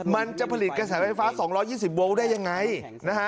มันจะผลิตกระแสไฟฟ้า๒๒๐โวลต์ได้ยังไงนะฮะ